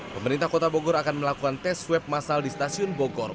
pemerintah kota bogor akan melakukan tes swab masal di stasiun bogor